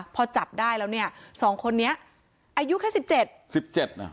พอจับได้แล้วเนี่ยสองคนนี้อายุแค่สิบเจ็ดสิบเจ็ดน่ะ